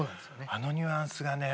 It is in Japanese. あのニュアンスがね。